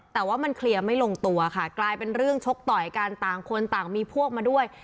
แต่ว่ามันเคลียร์ไม่ลงตัวค่ะกลายเป็นเรื่องชกต่อยกันต่างคนต่างมีพวกมาด้วย